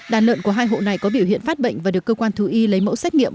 đàn lợn của hai hộ này có biểu hiện phát bệnh và được cơ quan thú y lấy mẫu xét nghiệm